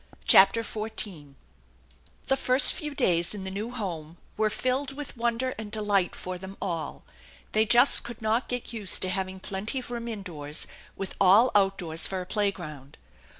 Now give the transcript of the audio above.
CHAPTER XIV THE first few days in the new home were filled with wonder and delight for them all. They just could not get used to having plenty of room indoors, with all outdoors for a playground.